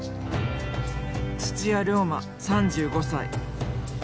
土屋良真３５歳。